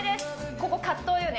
ここ、葛藤よね。